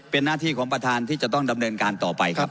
เป็นหน้าที่ของประธานที่จะต้องดำเนินการต่อไปครับ